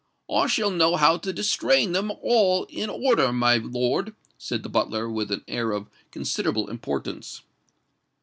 "I shall know how to distrain 'em all in order, my lord," said the butler, with an air of considerable importance.